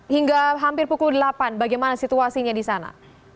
hingga hampir pukul delapan bagaimana situasinya di sana